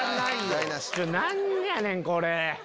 何やねんこれ！